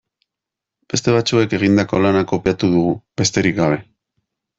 Beste batzuek egindako lana kopiatu dugu, besterik gabe.